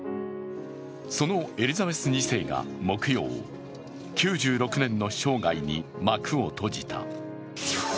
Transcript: そのエリザベス二世が木曜、９６年の生涯に幕を閉じた。